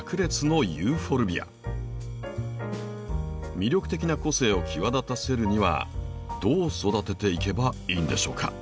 魅力的な個性を際立たせるにはどう育てていけばいいんでしょうか。